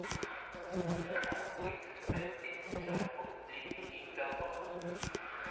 Chapuis spent his childhood living in Gabon.